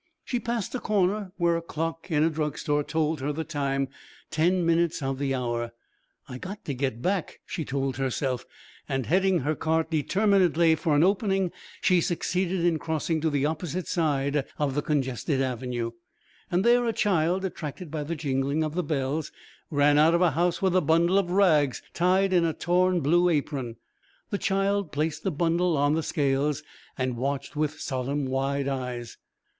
She passed a corner where a clock in a drug store told her the time ten minutes of the hour. "I got to get back," she told herself, and heading her cart determinedly for an opening succeeded in crossing to the opposite side of the congested avenue. There, a child, attracted by the jingling of the bells, ran out of a house with a bundle of rags tied in a torn blue apron. The child placed the bundle on the scales and watched with solemn wide eyes.